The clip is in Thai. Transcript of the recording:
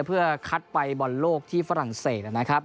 เพื่อคัดไปบอลโลกค์ที่ฝรั่งเศส